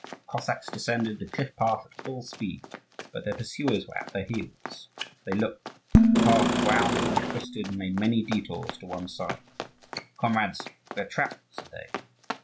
The Cossacks descended the cliff path at full speed, but their pursuers were at their heels. They looked: the path wound and twisted, and made many detours to one side. "Comrades, we are trapped!" said they.